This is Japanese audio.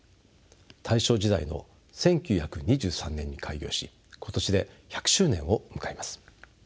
大正時代の１９２３年に開業し今年で１００周年を迎えます。